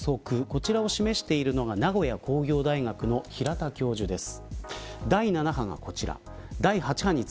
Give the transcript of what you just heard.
こちらを示しているのが名古屋工業大学の平田教授です。